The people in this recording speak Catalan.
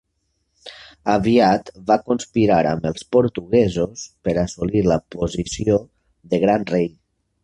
Aviat va conspirar amb els portuguesos per assolir la posició de gran rei.